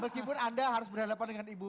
meskipun anda harus berhadapan dengan ibu